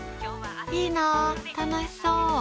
いいな、楽しそう。